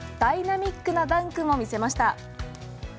ダイナミックなダンクも見せました。